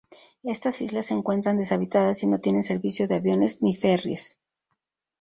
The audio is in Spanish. Estas islas se encuentran deshabitadas y no tienen servicio de aviones ni ferries.